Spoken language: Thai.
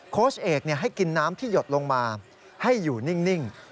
โค้ชเอกให้กินน้ำที่หยดลงมาให้อยู่นิ่ง